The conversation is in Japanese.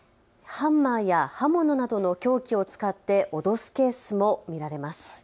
ハンマーや刃物などの凶器を使って脅すケースも見られます。